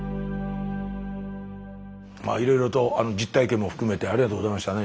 いろいろと実体験も含めてありがとうございましたね。